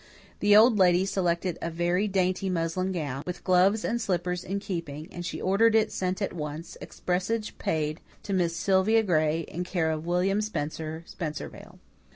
The Old Lady selected a very dainty muslin gown, with gloves and slippers in keeping; and she ordered it sent at once, expressage prepaid, to Miss Sylvia Gray, in care of William Spencer, Spencervale.